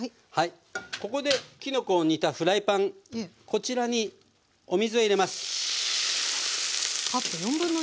ここできのこを煮たフライパンこちらにお水を入れます。